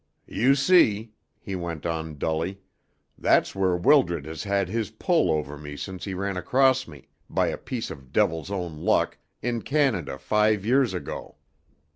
"You see," he went on dully, "that's where Wildred has had his pull over me since he ran across me, by a piece of devil's own luck, in Canada five years ago.